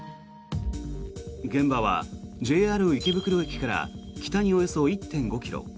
現場はＪＲ池袋駅から北におよそ１．５ｋｍ。